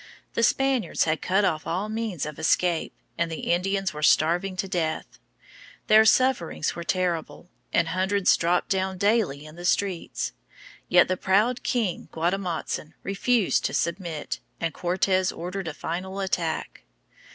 The Spaniards had cut off all means of escape, and the Indians were starving to death. Their sufferings were terrible, and hundreds dropped down daily in the streets. Yet the proud king Guatemotzin refused to submit, and Cortes ordered a final attack.